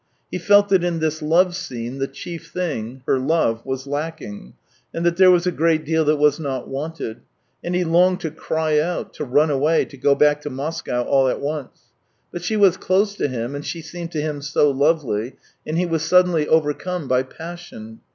He felt that in this love scene the chief thing — her love — was lacking, and that there was a THREE YEARS 209 great deal that was not wanted; and he longed to cry out, to run away, to go back to Moscow at once. But she was close to him, and she seemed to him so lovely, and he was suddenly overcome by passion.